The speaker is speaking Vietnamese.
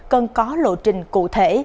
cần có lộ trình cụ thể